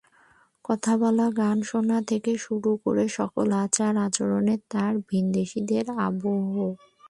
কথা বলা, গান শোনা থেকে শুরু করে সকল আচার-আচরণেও তাঁর ভিনদেশি আবহ।